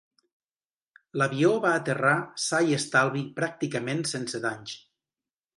L'avió va aterrar sa i estalvi pràcticament sense danys.